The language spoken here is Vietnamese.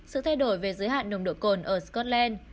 sự thay đổi về giới hạn nồng độ cồn ở scotland